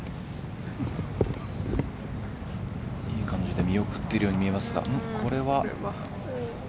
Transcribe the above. いい感じで見送っているように見えますが。